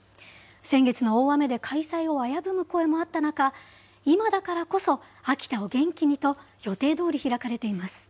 先月の大雨で開催を危ぶむ声もあった中、今だからこそ、秋田を元気にと、予定どおり開かれています。